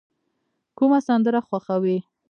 کومه سندره خوښوئ؟